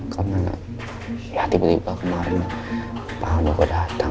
karena ya tiba tiba kemarin pak al nunggu datang